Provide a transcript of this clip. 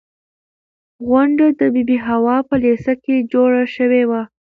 غونډه د بي بي حوا په لېسه کې جوړه شوې وه.